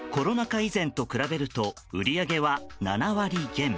以前と比べると売り上げは７割減。